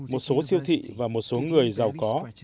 một số siêu thị và một số người giàu có